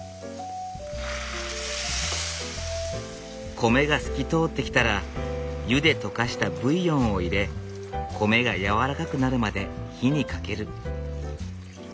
米が透き通ってきたら湯で溶かしたブイヨンを入れ米がやわらかくなるまで火にかける。